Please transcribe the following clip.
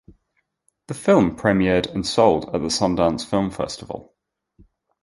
The film premiered and sold at the Sundance Film Festival.